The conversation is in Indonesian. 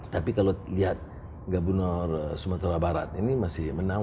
tapi kalau lihat gubernur sumatera barat ini masih menang